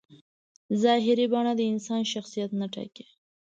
ظاهري بڼه د انسان شخصیت نه ټاکي.